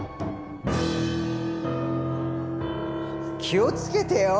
気をつけてよ！